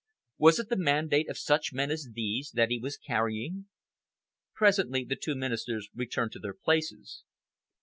Was it the mandate of such men as these that he was carrying? Presently the two Ministers returned to their places.